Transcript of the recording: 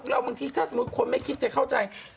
แล้วบางทีถ้าสมมุติคนไม่คิดจะเข้าใจ